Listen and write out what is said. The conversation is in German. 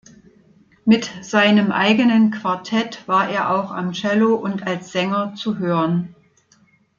Mit seinem eigenen Quartett war er auch am Cello und als Sänger zu hören.